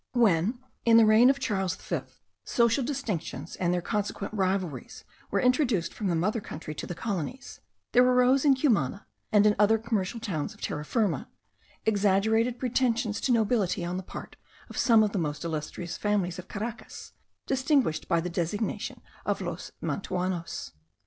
When, in the reign of Charles V, social distinctions and their consequent rivalries were introduced from the mother country to the colonies, there arose in Cumana and in other commercial towns of Terra Firma, exaggerated pretensions to nobility on the part of some of the most illustrious families of Caracas, distinguished by the designation of los Mantuanos.